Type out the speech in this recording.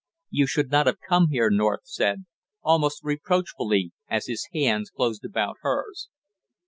"You should not have come here!" North said, almost reproachfully, as his hands closed about hers.